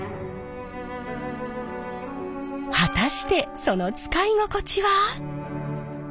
果たしてその使い心地は？